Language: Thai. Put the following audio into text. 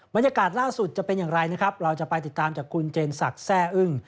บรรยากาศล่าสุดจะเป็นอย่างไรนะครับเราจะไปติดตามจากคุณเจนศักดิ์แซ่อึ้ง